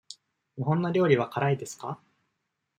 日本の料理は辛いですか。